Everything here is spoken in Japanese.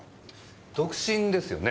独身ですよね？